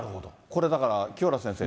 これ、だから清原先生。